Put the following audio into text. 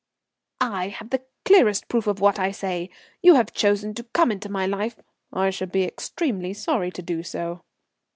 "I have the clearest proof of what I say. You have chosen to come into my life " "I should be extremely sorry to do so."